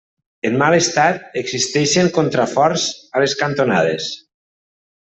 En mal estat, existeixen contraforts a les cantonades.